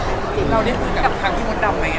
เราได้คุยกับทางพี่มดดำไหม